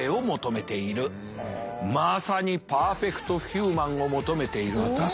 まさにパーフェクトヒューマンを求めているのか。